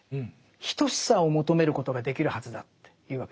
等しさを求めることができるはずだというわけですね。